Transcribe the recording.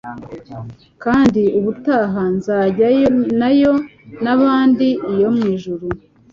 Kandi ubutaha nzajyanayo n abandi iyo mwijuru